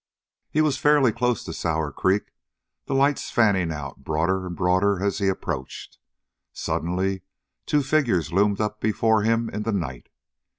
He was fairly close to Sour Creek, the lights fanning out broader and broader as he approached. Suddenly two figures loomed up before him in the night.